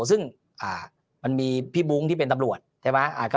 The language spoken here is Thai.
ซึ่งมันมีพี่บุ้งที่เป็นตำรวจ